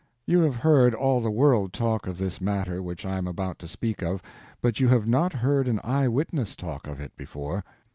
You have heard all the world talk of this matter which I am about to speak of, but you have not heard an eyewitness talk of it before.